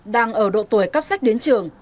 đang ở độ tuổi cấp sách đến trường